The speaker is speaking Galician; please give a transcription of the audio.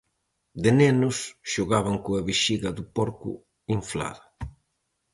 De nenos xogaban coa vexiga do porco inflada.